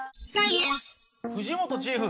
藤本チーフ。